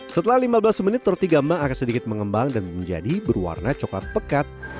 setelah lima belas menit roti gambang akan sedikit mengembang dan menjadi berwarna coklat pekat